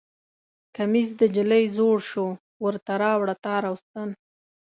کمیس د نجلۍ زوړ شو ورته راوړه تار او ستن